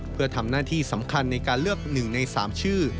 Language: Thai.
เพื่อทำหน้าที่สำคัญในการเลือก๑ใน๓ชื่อ